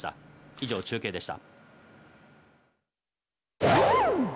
以上、中継でした。